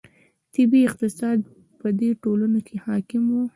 طبیعي اقتصاد په دې ټولنو کې حاکم و.